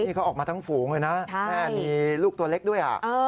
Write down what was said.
นี่เขาออกมาทั้งฝูงเลยนะแม่มีลูกตัวเล็กด้วย